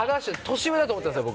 年上だと思ってたんですよ